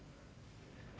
tentang apa yang terjadi